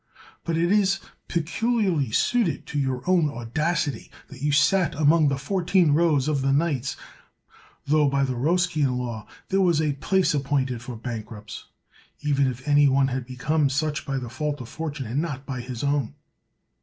But it is peculiarly suited to your own audacity, that you sat among the fourteen rows of the knights, tho 179 THE WORLD'S FAMOUS ORATIONS by the Roscian law there was a place appointed for bankrupts, even if any one had become such by the fault of fortune and not by his own.